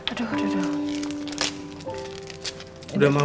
aduh aduh aduh